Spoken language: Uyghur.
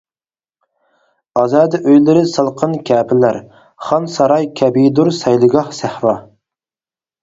ئازادە ئۆيلىرى سالقىن كەپىلەر، خان ساراي كەبىدۇر سەيلىگاھ سەھرا.